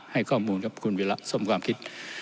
ให้ข้อมูลกับคุณวิระสมความคิด